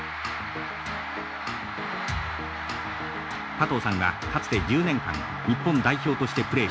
加藤さんはかつて１０年間日本代表としてプレーしてきました。